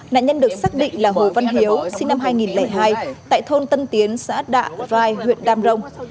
nạn nhân được xác định là hồ văn hiếu sinh năm hai nghìn hai tại thôn tân tiến xã đạ vai huyện đam rồng